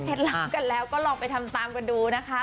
รู้เคล็ดล้ำกันแล้วก็ลองไปทำตามกันดูนะคะ